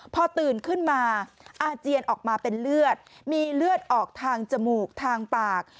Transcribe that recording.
พอตื่นขึ้นมาอาเจียนออกมาเป็นเลือดมีเลือดออกทางจมูกทางปาก